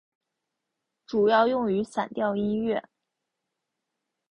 主要用于散调音乐。